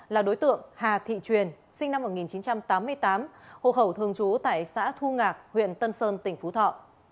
là đối tượng hà thị truyền sinh năm một nghìn chín trăm tám mươi tám hộ khẩu thường trú tại xã thu ngạc huyện tân sơn tỉnh phú thọ